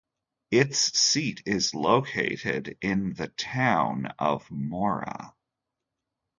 Its seat is located in the town of Mora.